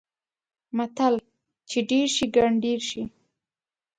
متل: چې ډېر شي؛ ګنډېر شي.